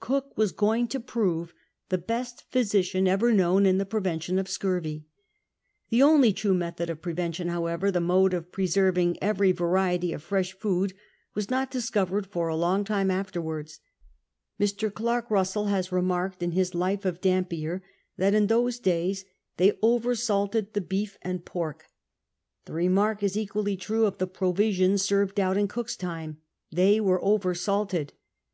Cook was going to prove the best physician ever known in the prevention of scurvy. The only tnie method of prevention, how ever, the mode of preserving every variety of fresh food, was not discovered for a long time afterwards. Mr. Clark Bussell has remarked in his Life of Dampier that in those days they over salted the beef and pork. VI SCURVY AND DEATH 79 The remark is equally true of the provisions served out in Cook's time. They were over salted.